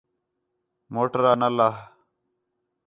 موٹر آ نہ لہہ